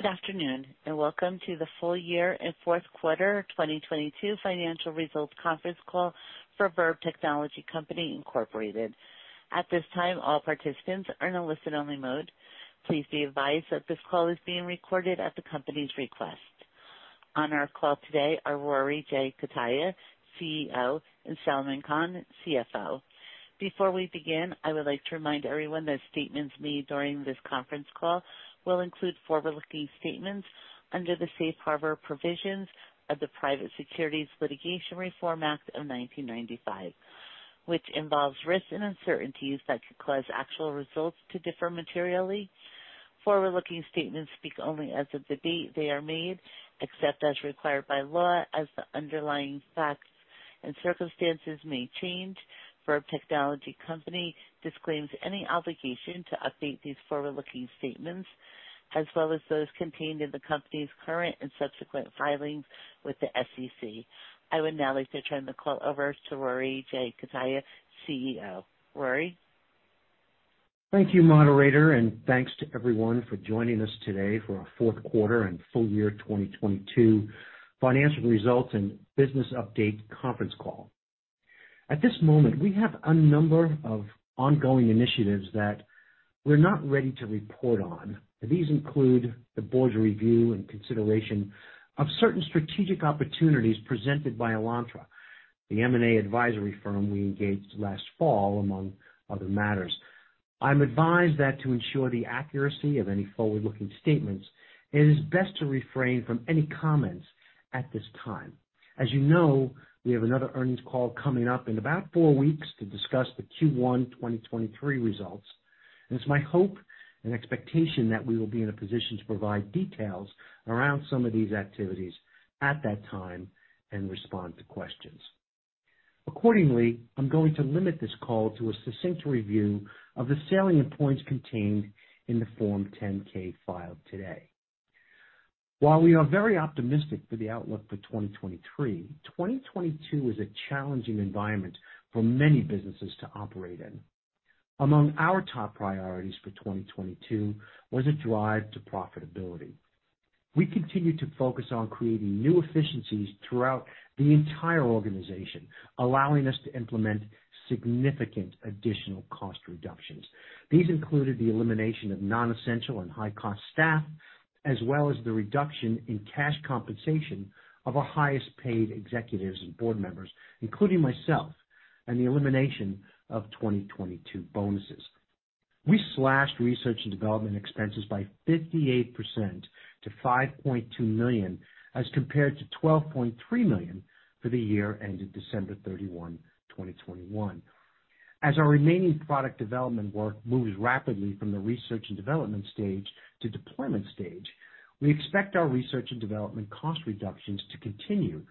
Good afternoon, welcome to the full year and fourth quarter 2022 financial results conference call for Verb Technology Company, Inc. At this time, all participants are in a listen only mode. Please be advised that this call is being recorded at the company's request. On our call today are Rory J. Cutaia, CEO, and Salman Khan, CFO. Before we begin, I would like to remind everyone that statements made during this conference call will include forward-looking statements under the safe harbor provisions of the Private Securities Litigation Reform Act of 1995, which involves risks and uncertainties that could cause actual results to differ materially. Forward-looking statements speak only as of the date they are made, except as required by law, as the underlying facts and circumstances may change. Verb Technology Company disclaims any obligation to update these forward-looking statements, as well as those contained in the company's current and subsequent filings with the SEC. I would now like to turn the call over to Rory J. Cutaia, CEO. Rory? Thank you, Operator, and thanks to everyone for joining us today for our fourth quarter and full year 2022 financial results and business update conference call. At this moment, we have a number of ongoing initiatives that we're not ready to report on. These include the board's review and consideration of certain strategic opportunities presented by Alantra, the M&A advisory firm we engaged last fall, among other matters. I'm advised that to ensure the accuracy of any forward-looking statements, it is best to refrain from any comments at this time. As you know, we have another earnings call coming up in about four weeks to discuss the Q1 2023 results, and it's my hope and expectation that we will be in a position to provide details around some of these activities at that time and respond to questions. Accordingly, I'm going to limit this call to a succinct review of the salient points contained in the Form 10-K filed today. While we are very optimistic for the outlook for 2023, 2022 was a challenging environment for many businesses to operate in. Among our top priorities for 2022 was a drive to profitability. We continued to focus on creating new efficiencies throughout the entire organization, allowing us to implement significant additional cost reductions. These included the elimination of non-essential and high cost staff, as well as the reduction in cash compensation of our highest paid executives and board members, including myself, and the elimination of 2022 bonuses. We slashed research and development expenses by 58% to $5.2 million, as compared to $12.3 million for the year ended December 31, 2021. As our remaining product development work moves rapidly from the research and development stage to deployment stage, we expect our research and development cost reductions to continue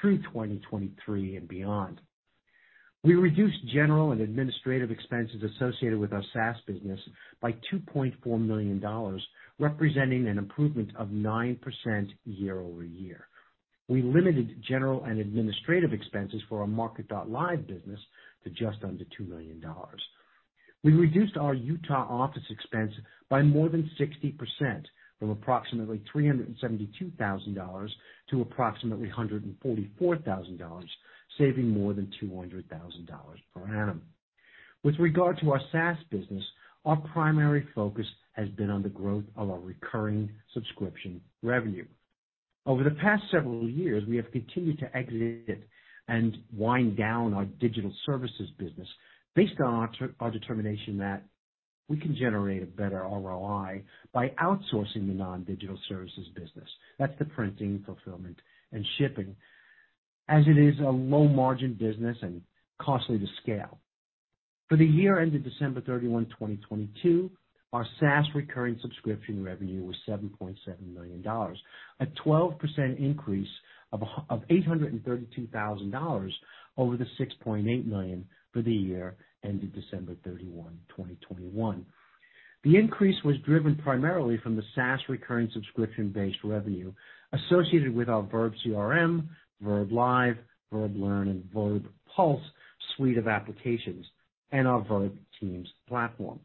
through 2023 and beyond. We reduced general and administrative expenses associated with our SaaS business by $2.4 million, representing an improvement of 9% year-over-year. We limited general and administrative expenses for our MARKET.live business to just under $2 million. We reduced our Utah office expense by more than 60% from approximately $372,000 to approximately $144,000, saving more than $200,000 per annum. With regard to our SaaS business, our primary focus has been on the growth of our recurring subscription revenue. Over the past several years, we have continued to exit and wind down our digital services business based on our determination that we can generate a better ROI by outsourcing the non-digital services business. That's the printing, fulfillment, and shipping, as it is a low margin business and costly to scale. For the year ended December 31, 2022, our SaaS recurring subscription revenue was $7.7 million, a 12% increase of $832,000 over the $6.8 million for the year ended December 31, 2021. The increase was driven primarily from the SaaS recurring subscription-based revenue associated with our verbCRM, verbLIVE, verbLEARN, and verbPULSE suite of applications and our verbTEAMS platform.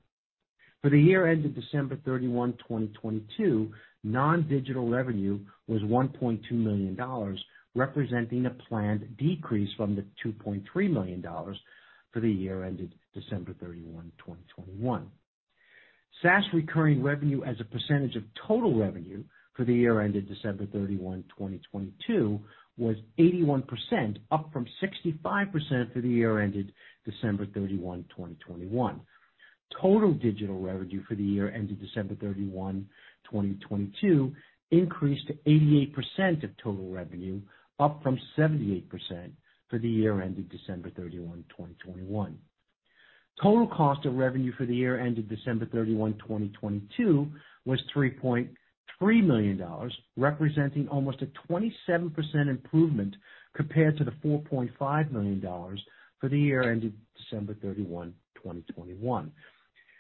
For the year ended December 31, 2022, non-digital revenue was $1.2 million, representing a planned decrease from the $2.3 million for the year ended December 31, 2021. SaaS recurring revenue as a percentage of total revenue for the year ended December 31, 2022, was 81%, up from 65% for the year ended December 31, 2021. Total digital revenue for the year ended December 31, 2022, increased to 88% of total revenue, up from 78% for the year ended December 31, 2021. Total cost of revenue for the year ended December 31, 2022, was $3.3 million, representing almost a 27% improvement compared to the $4.5 million for the year ended December 31, 2021.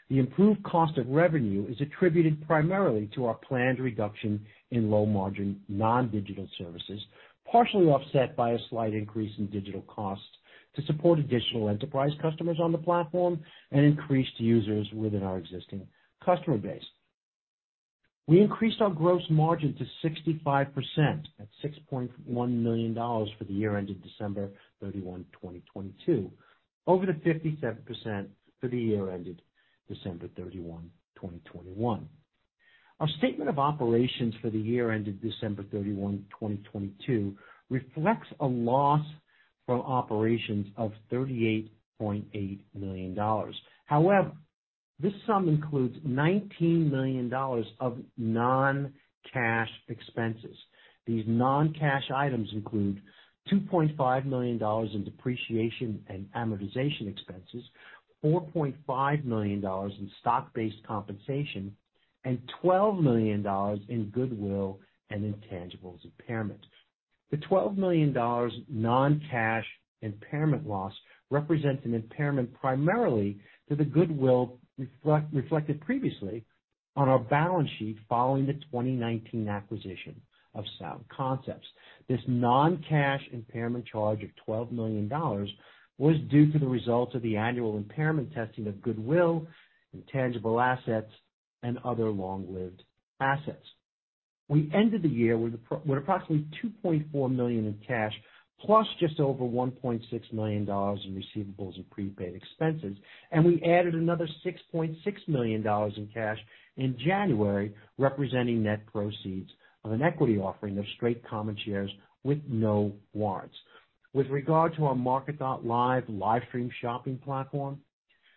The improved cost of revenue is attributed primarily to our planned reduction in low margin non-digital services, partially offset by a slight increase in digital costs. To support additional enterprise customers on the platform and increased users within our existing customer base. We increased our gross margin to 65% at $6.1 million for the year ended December 31, 2022, over the 57% for the year ended December 31, 2021. Our statement of operations for the year ended December 31, 2022 reflects a loss from operations of $38.8 million. This sum includes $19 million of non-cash expenses. These non-cash items include $2.5 million in depreciation and amortization expenses, $4.5 million in stock-based compensation, and $12 million in goodwill and intangibles impairment. The $12 million non-cash impairment loss represents an impairment primarily to the goodwill reflected previously on our balance sheet following the 2019 acquisition of Sound Concepts. This non-cash impairment charge of $12 million was due to the results of the annual impairment testing of goodwill, intangible assets and other long-lived assets. We ended the year with approximately $2.4 million in cash, plus just over $1.6 million in receivables and prepaid expenses. We added another $6.6 million in cash in January, representing net proceeds on an equity offering of straight common shares with no warrants. With regard to our MARKET.live live stream shopping platform,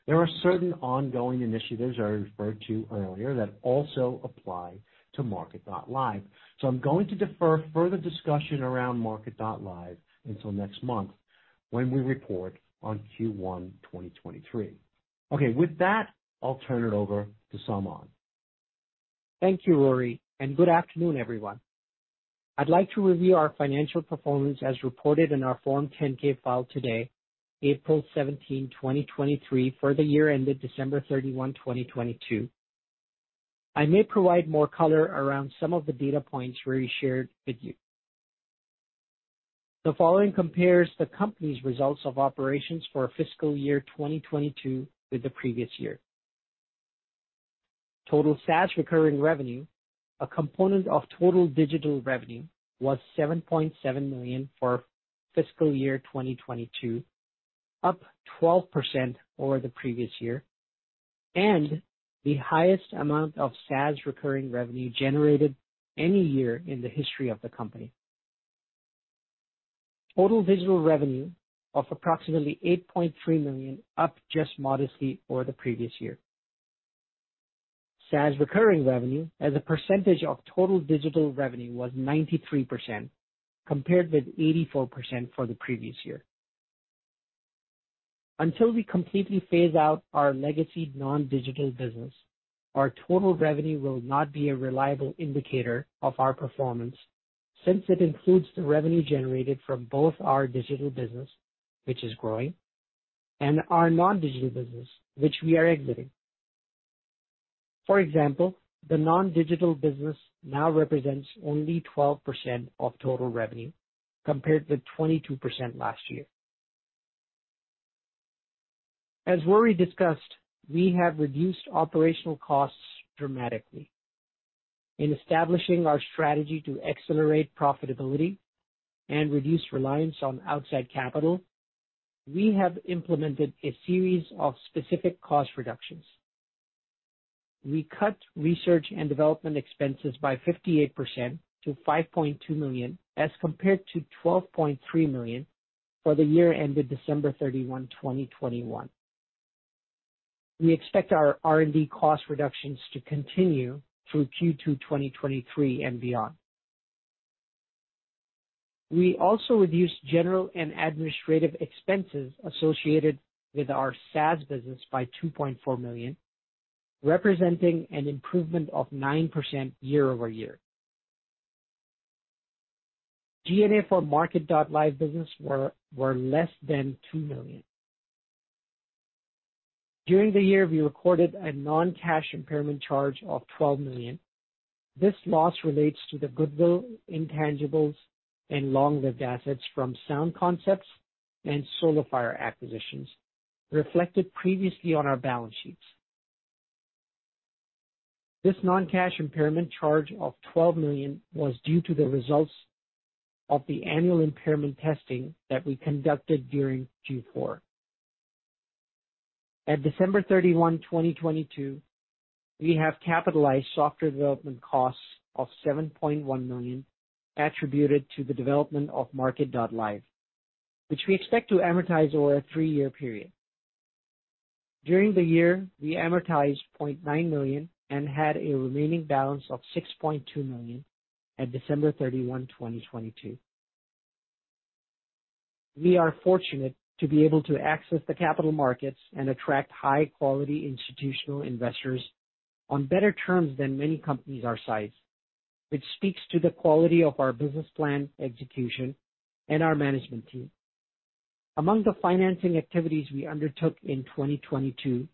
there are certain ongoing initiatives I referred to earlier that also apply to MARKET.live. I'm going to defer further discussion around MARKET.live until next month when we report on Q1, 2023. Okay. With that, I'll turn it over to Salman. Thank you, Rory, and good afternoon, everyone. I'd like to review our financial performance as reported in our Form 10-K filed today, April 17, 2023, for the year ended December 31, 2022. I may provide more color around some of the data points Rory shared with you. The following compares the company's results of operations for fiscal year 2022 with the previous year. Total SaaS recurring revenue, a component of total digital revenue, was $7.7 million for fiscal year 2022, up 12% over the previous year and the highest amount of SaaS recurring revenue generated any year in the history of the company. Total digital revenue of approximately $8.3 million, up just modestly over the previous year. SaaS recurring revenue as a percentage of total digital revenue was 93%, compared with 84% for the previous year. Until we completely phase out our legacy non-digital business, our total revenue will not be a reliable indicator of our performance, since it includes the revenue generated from both our digital business, which is growing, and our non-digital business, which we are exiting. For example, the non-digital business now represents only 12% of total revenue, compared with 22% last year. As Rory discussed, we have reduced operational costs dramatically. In establishing our strategy to accelerate profitability and reduce reliance on outside capital, we have implemented a series of specific cost reductions. We cut research and development expenses by 58% to $5.2 million, as compared to $12.3 million for the year ended December 31, 2021. We expect our R&D cost reductions to continue through Q2 2023 and beyond. We also reduced general and administrative expenses associated with our SaaS business by $2.4 million, representing an improvement of 9% year-over-year. G&A for MARKET.live business were less than $2 million. During the year, we recorded a non-cash impairment charge of $12 million. This loss relates to the goodwill, intangibles and long-lived assets from Sound Concepts and SoloFire acquisitions reflected previously on our balance sheets. This non-cash impairment charge of $12 million was due to the results of the annual impairment testing that we conducted during Q4. At December 31, 2022, we have capitalized software development costs of $7.1 million attributed to the development of MARKET.live, which we expect to amortize over a three-year period. During the year, we amortized $0.9 million and had a remaining balance of $6.2 million at December 31, 2022. We are fortunate to be able to access the capital markets and attract high quality institutional investors on better terms than many companies our size, which speaks to the quality of our business plan execution and our management team. Among the financing activities we undertook in 2022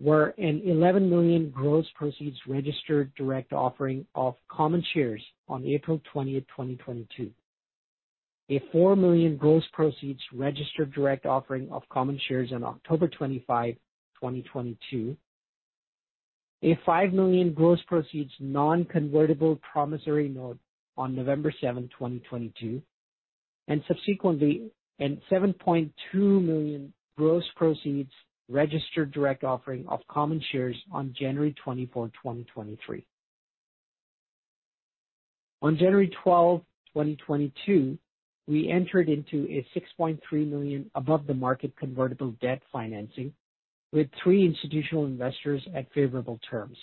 were an $11 million gross proceeds registered direct offering of common shares on April 20, 2022. A $4 million gross proceeds registered direct offering of common shares on October 25, 2022. A $5 million gross proceeds non-convertible promissory note on November 7, 2022, and subsequently, and $7.2 million gross proceeds registered direct offering of common shares on January 24, 2023. On January 12, 2022, we entered into a $6.3 million above the market convertible debt financing with three institutional investors at favorable terms,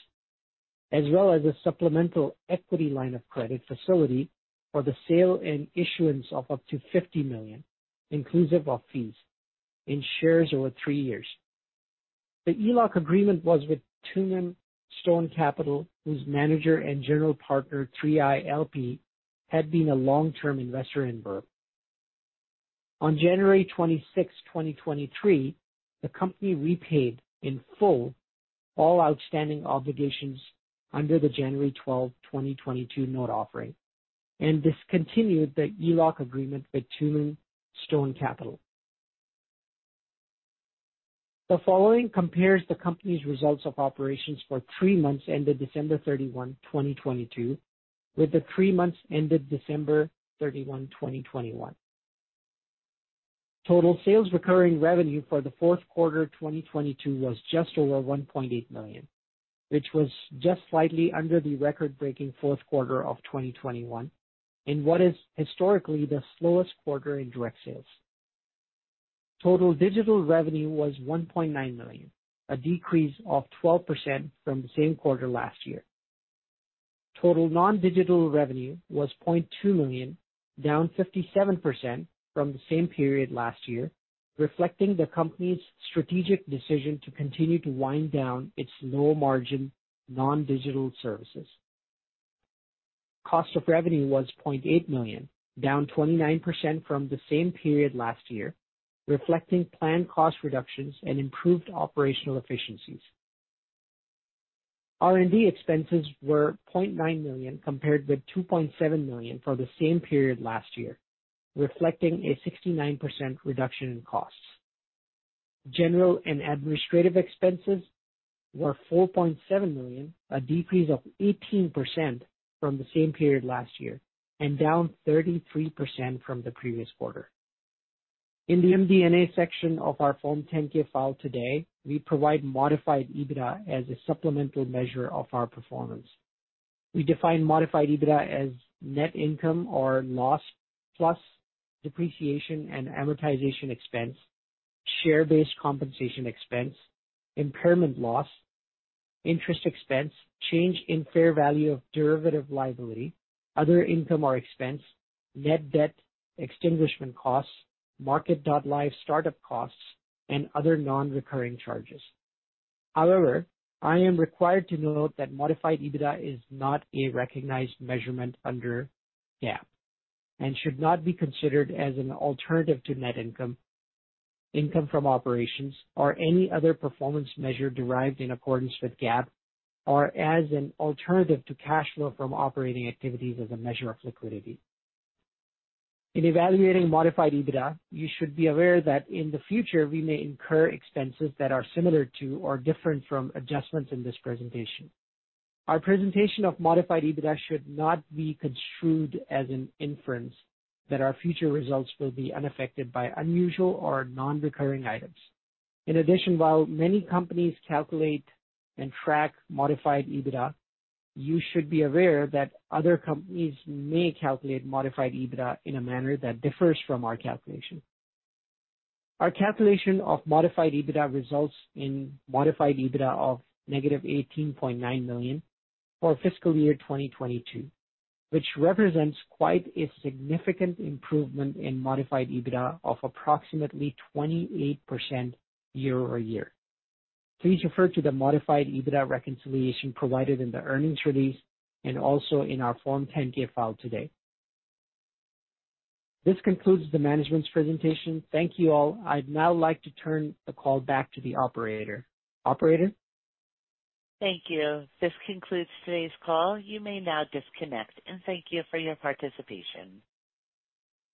as well as a supplemental equity line of credit facility for the sale and issuance of up to $50 million, inclusive of fees, in shares over three years. The E-lock agreement was with Tungan Stone Capital, whose manager and general partner, 3i, LP, had been a long-term investor in Burr. On January 26, 2023, the company repaid in full all outstanding obligations under the January 12, 2022 note offering and discontinued the E-lock agreement with Tungan Stone Capital. The following compares the company's results of operations for three months ended December 31, 2022, with the three months ended December 31, 2021. Total sales recurring revenue for the fourth quarter 2022 was just over $1.8 million, which was just slightly under the record-breaking fourth quarter of 2021 in what is historically the slowest quarter in direct sales. Total digital revenue was $1.9 million, a decrease of 12% from the same quarter last year. Total non-digital revenue was $0.2 million, down 57% from the same period last year, reflecting the company's strategic decision to continue to wind down its low margin non-digital services. Cost of revenue was $0.8 million, down 29% from the same period last year, reflecting planned cost reductions and improved operational efficiencies. R&D expenses were $0.9 million compared with $2.7 million for the same period last year, reflecting a 69% reduction in costs. General and administrative expenses were $4.7 million, a decrease of 18% from the same period last year, and down 33% from the previous quarter. In the MD&A section of our Form 10-K file today, we provide modified EBITDA as a supplemental measure of our performance. We define modified EBITDA as net income or loss plus depreciation and amortization expense, share-based compensation expense, impairment loss, interest expense, change in fair value of derivative liability, other income or expense, net debt, extinguishment costs, MARKET.live startup costs, and other non-recurring charges. I am required to note that modified EBITDA is not a recognized measurement under GAAP and should not be considered as an alternative to net income from operations, or any other performance measure derived in accordance with GAAP, or as an alternative to cash flow from operating activities as a measure of liquidity. In evaluating modified EBITDA, you should be aware that in the future, we may incur expenses that are similar to or different from adjustments in this presentation. Our presentation of modified EBITDA should not be construed as an inference that our future results will be unaffected by unusual or non-recurring items. While many companies calculate and track modified EBITDA, you should be aware that other companies may calculate modified EBITDA in a manner that differs from our calculation. Our calculation of modified EBITDA results in modified EBITDA of -$18.9 million for fiscal year 2022, which represents quite a significant improvement in modified EBITDA of approximately 28% year-over-year. Please refer to the modified EBITDA reconciliation provided in the earnings release and also in our Form 10-K file today. This concludes the management's presentation. Thank you all. I'd now like to turn the call back to the operator. Operator? Thank you. This concludes today's call. You may now disconnect and thank you for your participation.